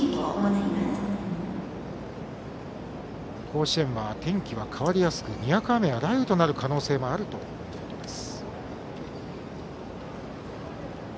甲子園は天気が変わりやすくにわか雨や雷雨となる可能性もあるということです。